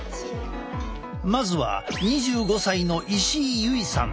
まずは２５歳の石井優衣さん。